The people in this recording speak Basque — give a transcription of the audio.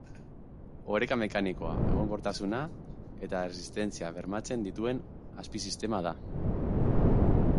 Oreka mekanikoa, egonkortasuna eta erresistentzia bermatzen dituen azpisistema da.